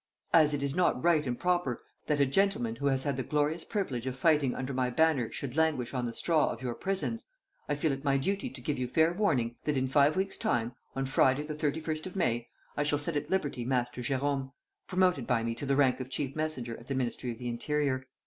As it is not right and proper that a gentleman who has had the glorious privilege of fighting under my banner should languish on the straw of your prisons, I feel it my duty to give you fair warning that, in five weeks' time, on Friday, the 31st of May, I shall set at liberty Master Jérôme, promoted by me to the rank of chief messenger at the Ministry of the Interior.